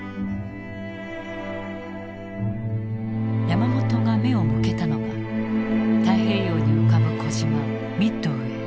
山本が目を向けたのが太平洋に浮かぶ小島ミッドウェー。